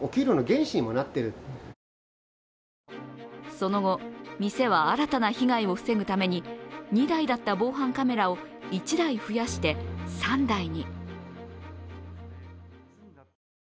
その後、店は新たな被害を防ぐために２台だった防犯カメラを１台増やして３台に。